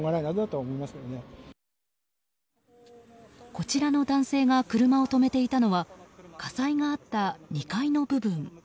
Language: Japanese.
こちらの男性が車を止めていたのは火災があった２階の部分。